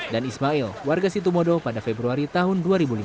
ismail warga situbondo pada februari tahun dua ribu lima belas